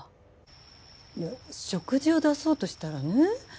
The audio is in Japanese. いや食事を出そうとしたらね。